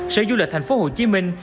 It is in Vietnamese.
sở du lịch thành phố hồ chí minh